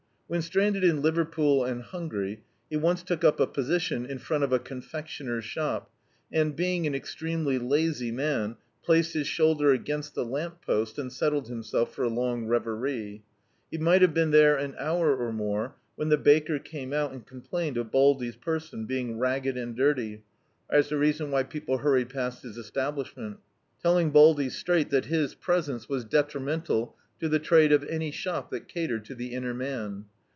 When stranded in Liverpool and hungry, he once took up a position in front of a confection er's shop, and, being an extremely lazy man, placed his shoulder against the lamp post, and settled him self for a long reverie. He mig^t have been there an hour or more, when the baker came out and com plained of Baldy's person, being ragged and dirty, as the reason why people hurried past his establbh ment; telling Baldy strai^t that his presence was 187] D,i.,.db, Google The Autobiography of a Super Tramp detrimental to the trade of any shop that catered to the inner man.